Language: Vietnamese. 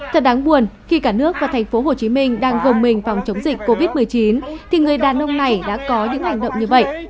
thật đáng buồn khi cả nước và thành phố hồ chí minh đang gồng mình phòng chống dịch covid một mươi chín thì người đàn ông này đã có những hành động như vậy